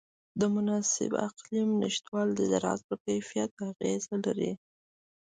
د مناسب اقلیم نهشتوالی د زراعت پر کیفیت اغېز لري.